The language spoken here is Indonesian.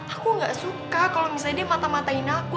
aku gak suka kalau misalnya dia mata matain aku